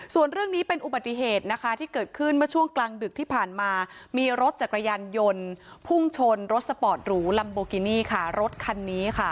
ส่วนเรื่องนี้เป็นอุบัติเหตุนะคะที่เกิดขึ้นเมื่อช่วงกลางดึกที่ผ่านมามีรถจักรยานยนต์พุ่งชนรถสปอร์ตหรูลัมโบกินี่ค่ะรถคันนี้ค่ะ